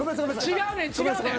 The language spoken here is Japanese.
違うねん違うねん。